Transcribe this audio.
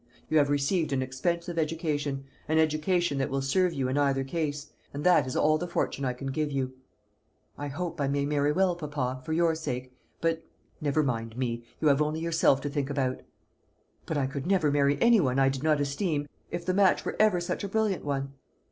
You have received an expensive education an education that will serve you in either case; and that is all the fortune I can give you." "I hope I may marry well, papa, for your sake; but " "Never mind me. You have only yourself to think about." "But I never could marry any one I did not esteem, if the match were ever such a brilliant one."